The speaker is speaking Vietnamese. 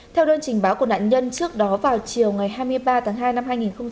theo đơn trình báo của nạn nhân trước đó vào chiều ngày hai mươi ba tháng hai năm hai nghìn hai mươi